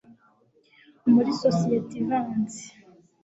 muri sosiyete ivanze